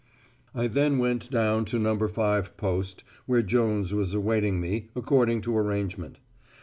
I then went down to No. 5 Post, where Jones was awaiting me, according to arrangement.